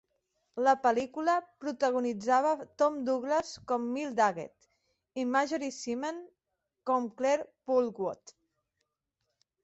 La pel·lícula protagonitzava Tom Douglas com Milt Daggett i Marjorie Seaman com Claire Boltwood.